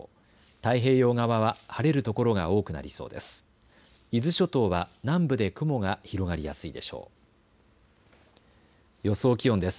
太平洋側は晴れる所が多くなりそうです。